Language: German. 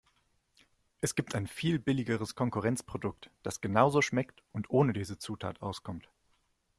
Es gibt ein viel billigeres Konkurrenzprodukt, das genauso schmeckt und ohne diese Zutat auskommt.